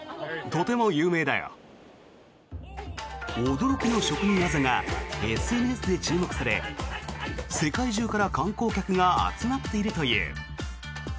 驚きの職人技がＳＮＳで注目され世界中から観光客が集まっているという。